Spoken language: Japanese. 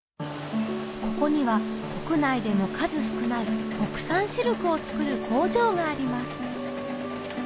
ここには国内でも数少ない国産シルクを作る工場があります